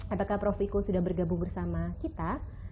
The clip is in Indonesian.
apakah prof wiku sudah bergabung bersama kita